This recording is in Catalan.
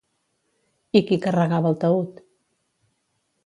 I qui carregava el taüt?